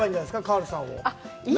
カールさんを。